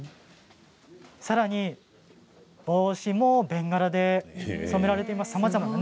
さらに、帽子もベンガラで染められています。